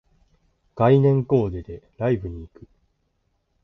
概念コーデでライブに行く